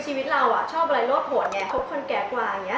ชีวิตเราชอบอะไรรวดผลคบคนแก่กว่า